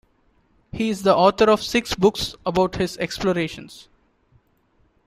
He is the author of six books about his explorations.